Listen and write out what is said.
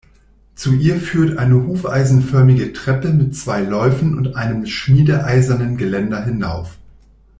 Zu ihr führt eine hufeisenförmige Treppe mit zwei Läufen und einem schmiedeeisernen Geländer hinauf.